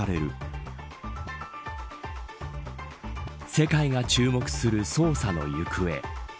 世界が注目する捜査の行方。